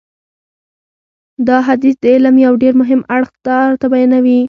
دا حدیث د علم یو ډېر مهم اړخ راته بیانوي.